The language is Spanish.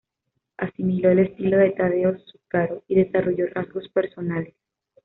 Asimiló el estilo de Taddeo Zuccaro y desarrolló rasgos personales.